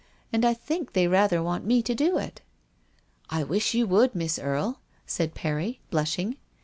And I think they rather want me to do it." " I wish you would, Miss Erie," said Perry, blushing.